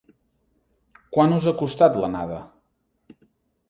Quant us ha costat, l'anada?